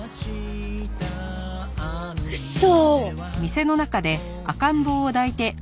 嘘！